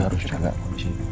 itu aja pak